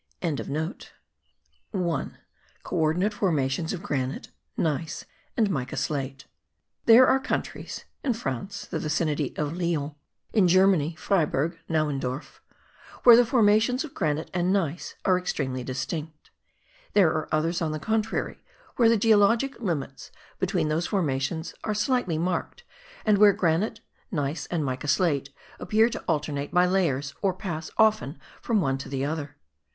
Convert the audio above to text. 1. CO ORDINATE FORMATIONS OF GRANITE, GNEISS AND MICA SLATE. There are countries (in France, the vicinity of Lyons; in Germany, Freiberg, Naundorf) where the formations of granite and gneiss are extremely distinct; there are others, on the contrary, where the geologic limits between those formations are slightly marked, and where granite, gneiss and mica slate appear to alternate by layers or pass often from one to the other.